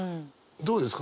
どうですか？